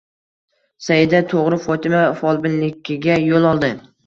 Saida to`g`ri Fotima folbinnikiga yo`l oldi